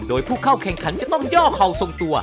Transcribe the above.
โดยผู้เข้าแข่งขันจะต้องย่อเข่าทรงตัว